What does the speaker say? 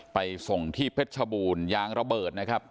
ไปส่งที่เพชรชบูรณ์ยางระเบิดนะครับ